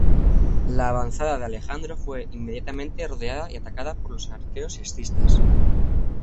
La avanzada de Alejandro fue inmediatamente rodeada y atacada por los arqueros escitas.